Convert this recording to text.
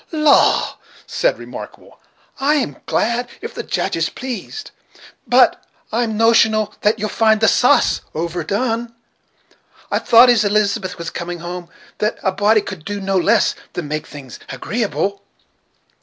"Law!" said Remarkable, "I'm glad if the Judge is pleased; but I'm notional that you'll find the sa'ce over done. I thought, as Elizabeth was coming home, that a body could do no less than make things agreeable."